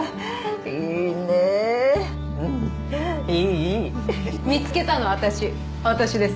いいねうんいいいい見つけたの私私です